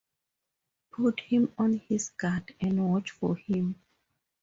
Put him on his guard, and watch for him.